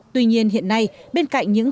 tuy nhiên hiện nay bên cạnh những